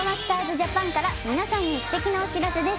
ＪＡＰＡＮから皆さんに素敵なお知らせです